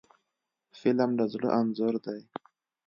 فلم د زړه انځور دی